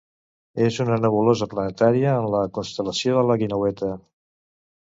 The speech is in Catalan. És una nebulosa planetària en la constel·lació de la Guineueta.